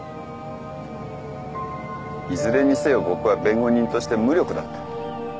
いずれにせよ僕は弁護人として無力だった。